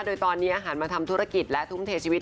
โดยตอนนี้อาหารมาทำธุรกิจและทุ่มเทชีวิต